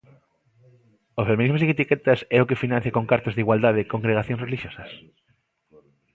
¿O feminismo sen etiquetas é o que financia con cartos de igualdade congregacións relixiosas?